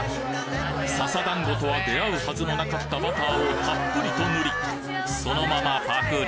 笹だんごとは出会うはずのなかったバターをたっぷりと塗りそのままパクリ！